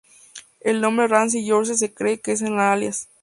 El nombre "Ramzi Yousef" se cree que es un alias.